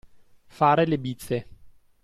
Fare le bizze.